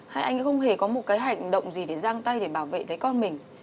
hay anh ấy không hề có một cái hạnh để bảo vệ con